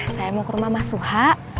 saya mau ke rumah mas suha